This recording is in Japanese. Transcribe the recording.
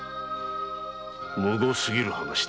むご過ぎる話だ。